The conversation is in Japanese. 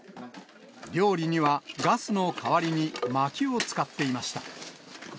料理にはガスの代わりに、まきを使っていました。